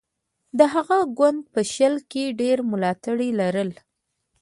د هغه ګوند په شل کې ډېر ملاتړي لرل.